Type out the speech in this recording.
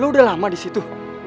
lo udah lama disitu